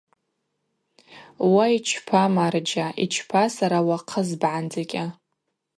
Уа йчпа, марджьа, йчпа сара уахъызбгӏандзыкӏьа.